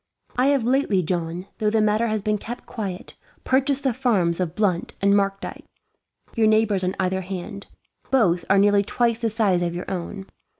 "I have lately, John, though the matter has been kept quiet, purchased the farms of Blunt and Mardyke, your neighbours on either hand. Both are nearly twice the size of your own.